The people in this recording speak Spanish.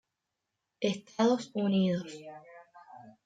Estados Unidos".